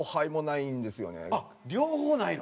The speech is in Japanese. あっ両方ないの？